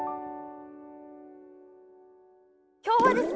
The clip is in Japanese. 今日はですね